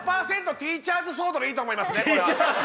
ティーチャーズソードでいいと思いますね